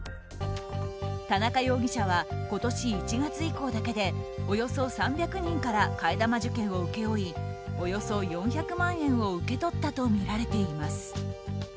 田中容疑者は今年１月以降だけでおよそ３００人から替え玉受験を請け負いおよそ４００万円を受け取ったとみられています。